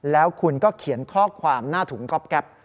แล้วคุณก็เขียนข้อความหน้าถุงก๊อบแป๊บ